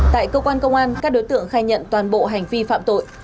tại cơ quan công an các đối tượng khai nhận toàn bộ hành vi phạm tội